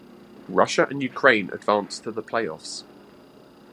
Russia and Ukraine advanced to the playoffs.